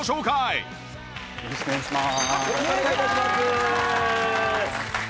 よろしくお願いします。